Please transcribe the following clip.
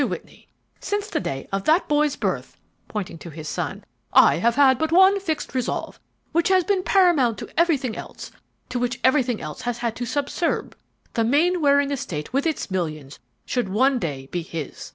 Whitney, since the day of that boy's birth," pointing to his son, "I have had but one fixed resolve, which has been paramount to everything else, to which everything else has had to subserve, the Mainwaring estate with its millions should one day be his.